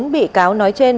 bốn bị cáo nói trên